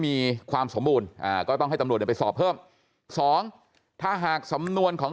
มีความสมบูรณ์ก็ต้องให้ตำรวจไปสอบเพิ่ม๒ถ้าหากสำนวนของ